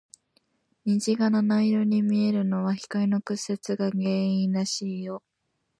虹が七色に見えるのは、光の屈折が原因らしいよ。